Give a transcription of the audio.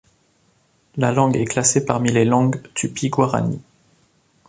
La langue est classée parmi les langues tupi-guarani.